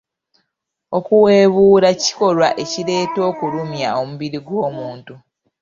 Okuwebuula kikolwa ekireeta okulumya omubiri gw'omuntu.